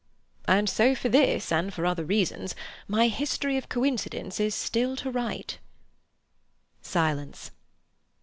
"And so for this and for other reasons my 'History of Coincidence' is still to write." Silence.